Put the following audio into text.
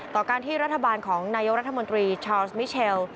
ต่อการที่รัฐบาลของนายกรัฐมนตรีชาวสมิเชล